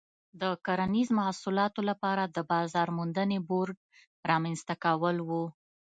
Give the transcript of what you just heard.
د کرنیزو محصولاتو لپاره د بازار موندنې بورډ رامنځته کول و.